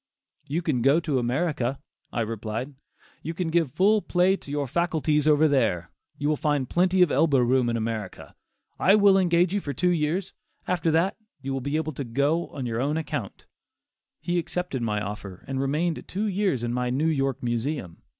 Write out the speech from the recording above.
"You can go to America," I replied. "You can give full play to your faculties over there; you will find plenty of elbow room in America; I will engage you for two years; after that you will be able to go on your own account." He accepted my offer and remained two years in my New York Museum.